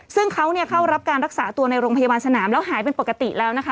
ซึ่งเขาเข้ารับการรักษาตัวในโรงพยาบาลสนามแล้วหายเป็นปกติแล้วนะคะ